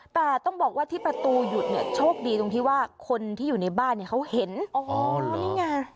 แต่ต้องบอกว่าที่ประตูหยุดเนี่ยโชคดีตรงที่ว่าคนที่อยู่ในบ้านเนี่ยเขาเห็นโอ้โหนี่ไง